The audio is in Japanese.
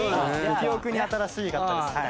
記憶に新しかったです。